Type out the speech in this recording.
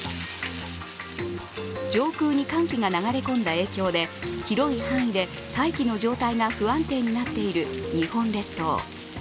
上空に寒気が流れ込んだ影響で広い範囲で大気の状態が不安定になっている日本列島。